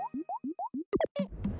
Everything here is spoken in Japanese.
ピッ。